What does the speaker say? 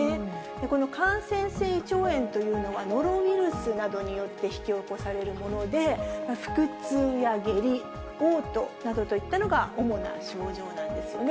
この感染性胃腸炎というのは、ノロウイルスなどによって引き起こされるもので、腹痛や下痢、おう吐などといったのが主な症状なんですよね。